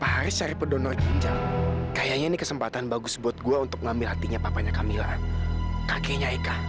haris cari pedonor ginjal kayaknya ini kesempatan bagus buat gue untuk ngambil hatinya papanya kamila kakeknya eka